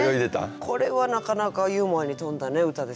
これはなかなかユーモアに富んだ歌ですね。